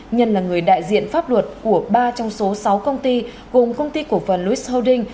nhân là người đại diện pháp luật của ba trong số sáu công ty gồm công ty cổ phần louis holding